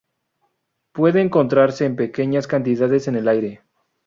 Puede encontrarse en pequeñas cantidades en el aire.